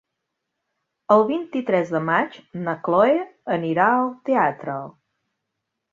El vint-i-tres de maig na Cloè anirà al teatre.